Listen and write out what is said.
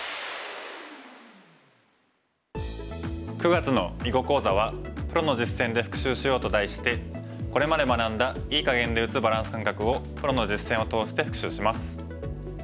９月の囲碁講座は「プロの実戦で復習しよう」と題してこれまで学んだ“いい”かげんで打つバランス感覚をプロの実戦を通して復習します。